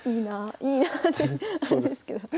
いいなってあれですけど。